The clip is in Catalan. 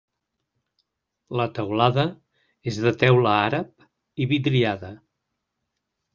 La teulada és de teula àrab i vidriada.